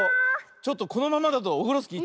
ちょっとこのままだとオフロスキー。